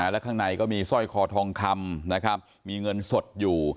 และข้างในก็มีสร้อยคอทองคำนะครับมีเงินสดอยู่